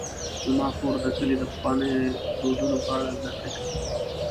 زما خور د کلي د پخوانیو دودونو په اړه زدهکړه کوي.